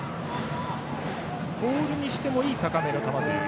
ボールにしてもいい高めの球という。